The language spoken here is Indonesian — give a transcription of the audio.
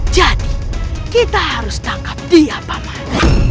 jadi kita harus tangkap dia paman